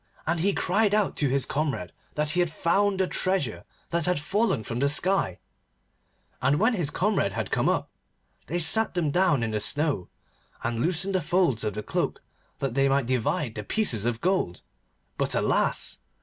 And he cried out to his comrade that he had found the treasure that had fallen from the sky, and when his comrade had come up, they sat them down in the snow, and loosened the folds of the cloak that they might divide the pieces of gold. But, alas!